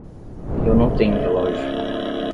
Eu não tenho relógio.